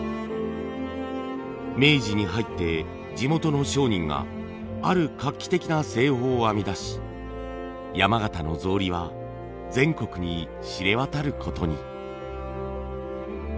明治に入って地元の商人がある画期的な製法を編み出し山形の草履は全国に知れ渡ることに。